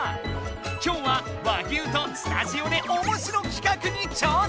今日は和牛とスタジオでおもしろ企画に挑戦！